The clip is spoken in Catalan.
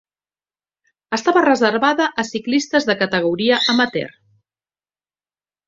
Estava reservada a ciclistes de categoria amateur.